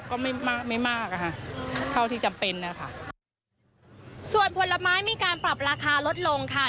ก็ไม่มากไม่มากอะค่ะเท่าที่จำเป็นนะคะส่วนผลไม้มีการปรับราคาลดลงค่ะ